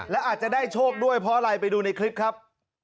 และอาจจะได้โชคด้วยเพราะอะไรไปดูในคลิปครับ